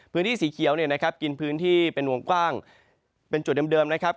พื้นที่สีเขียวกินพื้นที่เป็นวงกว้างเป็นจุดเดิมนะครับ